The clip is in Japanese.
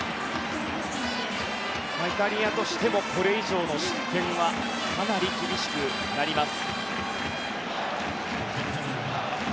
イタリアとしてもこれ以上の失点はかなり厳しくなります。